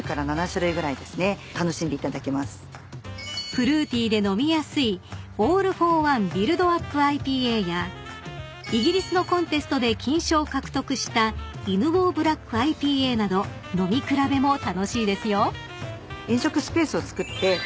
［フルーティーで飲みやすいＡｌｌｆｏｒＯｎｅＢｕｉｌｄｕｐＩＰＡやイギリスのコンテストで金賞を獲得した犬吠ブラックＩＰＡなど飲み比べも楽しいですよ］